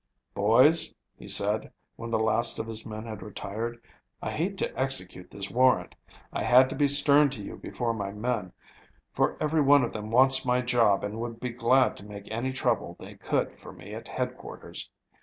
"Boys," he said, when the last one of his men had retired, "I hate to execute this warrant. I had to be stern to you before my men, for every one of them wants my job and would be glad to make any trouble they could for me at headquarters.